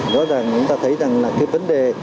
rõ ràng chúng ta thấy rằng là cái vấn đề